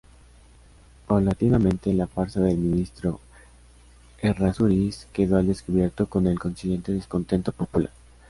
Paulatinamente, la farsa del ministro Errázuriz quedó al descubierto, con el consiguiente descontento popular.